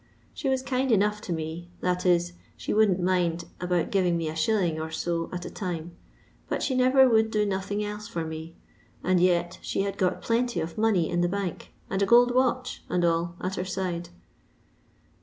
She was kind enough to me, that is, she wouldn't mind about giving me a shilling or so at a time, but she never would do nothing else for me, and yet she had got plenty of money in the bank, and a gold watch, and iJl, at her side.